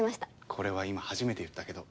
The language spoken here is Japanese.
これは今初めて言ったけど。